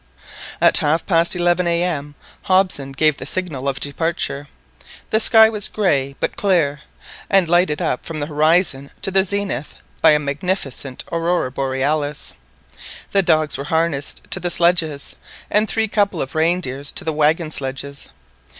At half past eleven A.M., Hobson gave the signal of departure. The sky was grey but clear, and lighted up from the horizon to the zenith by a magnificent Aurora Borealis. The dogs were harnessed to the sledges, and three couple of reindeer to the waggon sledges.